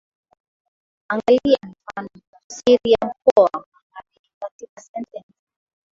Angalia mifano ya tafsiri ya Mkoa wa Magharibi katika sentensi